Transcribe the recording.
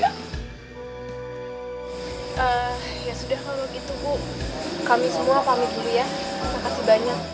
ya sudah kalau begitu bu kami semua pamit dulu ya terima kasih banyak